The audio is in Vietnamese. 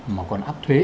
mà còn áp thuế